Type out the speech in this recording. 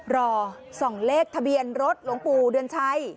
รอส่องเลขทะเบียนรถหลวงปู่เดือนชัย